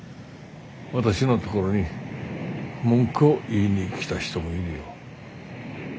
私の所に文句を言いに来た人もいるよ。